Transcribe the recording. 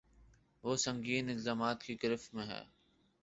وہ سنگین الزامات کی گرفت میں ہیں۔